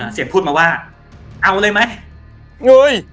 เสียงพูดมาว่าเอาเลยไหมเงย